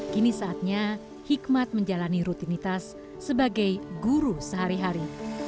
kini saatnya hikmat menjalani rutinitas sebagai guru sehari hari